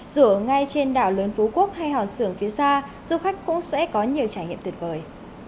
dù ở ngay trên đảo lớn phú quốc hay hòn sưởng phía xa du khách cũng sẽ có nhiều trải nghiệm tuyệt vời